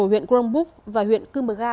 huyện cronbúc và huyện cư mơ ga